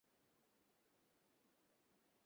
মন্দা ঘরে বসিয়া চুলের দড়ি বিনাইতেছিল।